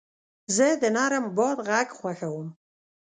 زه د نرم باد غږ خوښوم.